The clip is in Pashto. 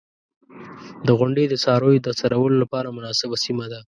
• غونډۍ د څارویو د څرولو لپاره مناسبه سیمه ده.